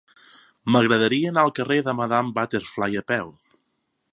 M'agradaria anar al carrer de Madame Butterfly a peu.